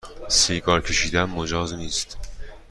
سیگار کشیدن مجاز نیست